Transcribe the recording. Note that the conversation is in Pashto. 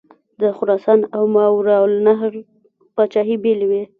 د خراسان او ماوراءالنهر پاچهي بېلې وې.